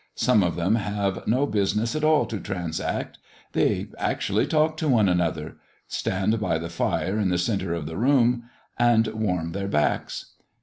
Some of them have no business at all to transact. They actually talk to one another stand by the fire in the centre of the room, and warm their backs!